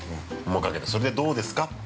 それでどうですかって。